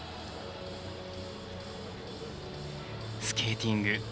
スケーティング